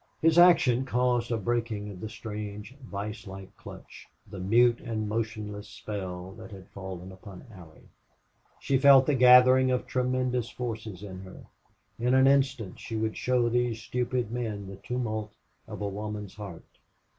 His action caused a breaking of the strange, vise like clutch the mute and motionless spell that had fallen upon Allie. She felt the gathering of tremendous forces in her; in an instant she would show these stupid men the tumult of a woman's heart.